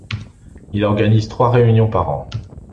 Il organise trois réunions par an.